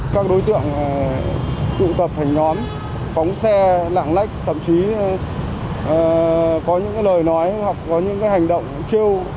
các đối tượng tụ tập thành nhóm phóng xe lạng lách thậm chí có những lời nói hoặc có những hành động chiêu